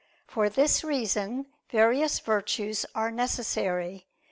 For this reason various virtues are necessary.